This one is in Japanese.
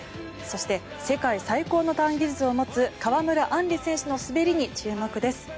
そして世界最高のターン技術を持つ川村あんり選手の滑りに注目です。